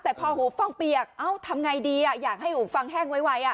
แต่พอหูฟังเปียกเอ้าทำไงดีอยากให้หูฟังแห้งไว